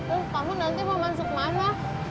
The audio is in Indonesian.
oh kamu nanti mau masuk mana